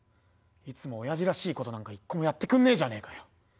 いつもおやじらしいことなんか一個もやってくんねえじゃねえかよ。